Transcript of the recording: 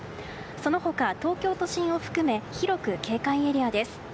その他、東京都心を含め広く警戒エリアです。